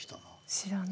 知らない。